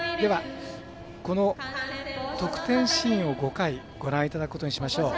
得点シーンを５回ご覧いただくことにいたしましょう。